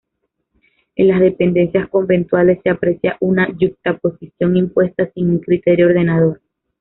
En las dependencias conventuales se aprecia una yuxtaposición, impuesta sin un criterio ordenador.